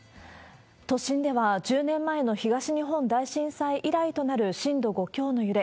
都心では、１０年前の東日本大震災以来となる震度５強の揺れ。